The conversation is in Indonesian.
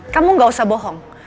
kamu gak usah bohong